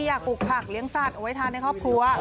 อยากปลูกผักเลี้ยงสัตว์เอาไว้ทานในครอบครัว